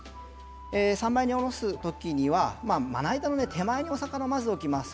三枚におろすときにはまな板の手前にお魚を置きます。